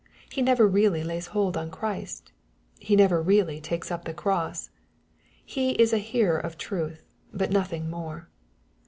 He never really lays hold on Christ. He never really takes up the cross. He isa~ hearer of truth, hut nothing more.